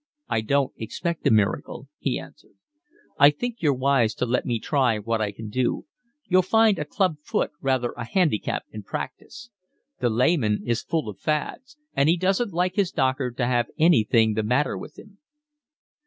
"I don't expect a miracle," he answered. "I think you're wise to let me try what I can do. You'll find a club foot rather a handicap in practice. The layman is full of fads, and he doesn't like his doctor to have anything the matter with him."